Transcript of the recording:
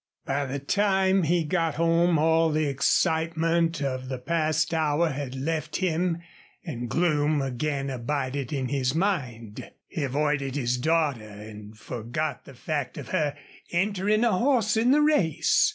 By the time he got home all the excitement of the past hour had left him and gloom again abided in his mind. He avoided his daughter and forgot the fact of her entering a horse in the race.